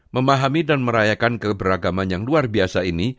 memahami dan merayakan keberagaman yang luar biasa ini